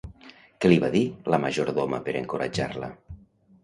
Què li va dir la majordona per encoratjar-la?